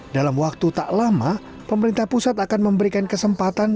dalam waktu tak lama pemerintah pusat akan memberikan kesempatan